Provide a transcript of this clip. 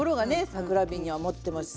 桜えびには持ってますし。